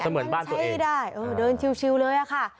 วันนั้นใช้ได้เดินชิวเลยอะค่ะ